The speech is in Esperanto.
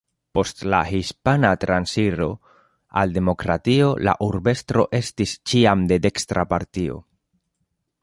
Post la Hispana Transiro al demokratio la urbestro estis ĉiam de dekstra partio.